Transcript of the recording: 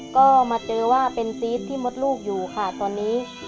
ก็มาเจอว่าเป็นซีสที่มดลูกอยู่ค่ะตอนนี้